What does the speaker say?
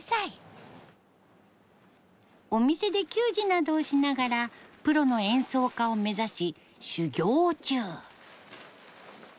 お店で給仕などをしながらプロの演奏家を目指し修業中。